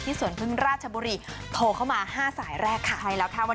ที่สวนพึ่งราชบุรีโทรเข้ามา๕สายแรกค่ะ